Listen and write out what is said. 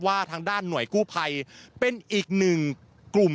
ว่าทางด้านหน่วยกู้ภัยเป็นอีกหนึ่งกลุ่ม